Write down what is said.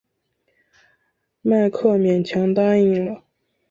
迈克勉强答应了。